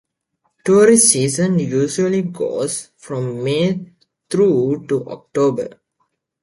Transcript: Tourist season usually goes from May through to October.